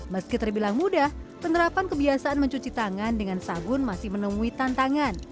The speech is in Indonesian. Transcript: meski terbilang mudah penerapan kebiasaan mencuci tangan dengan sabun masih menemui tantangan